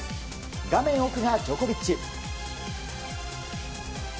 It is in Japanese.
画面奥がジョコビッチ。